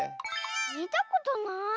みたことない。